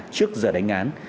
trước giờ đánh án